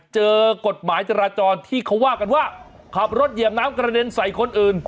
เจอกฎหมายจราจรที่เขาว่ากันว่าขับรถเหยียบน้ำกระเด็นใส่คนอื่น